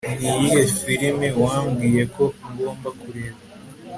Niyihe firime wambwiye ko ngomba kureba